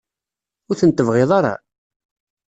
Ur tent-tebɣiḍ ara?